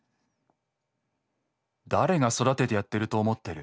「『誰が育ててやってると思ってる』